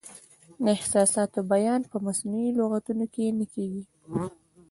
د احساساتو بیان په مصنوعي لغتونو نه کیږي.